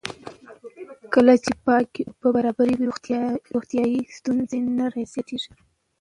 کله چې پاکې اوبه برابرې وي، روغتیایي ستونزې نه زیاتېږي.